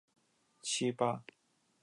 辖境相当今陕西省蓝田县一带。